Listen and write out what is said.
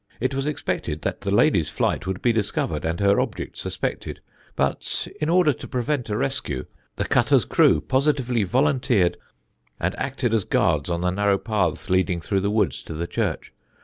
It was expected that the lady's flight would be discovered and her object suspected; but in order to prevent a rescue, the cutter's crew positively volunteered and acted as guards on the narrow paths leading through the woods to the church.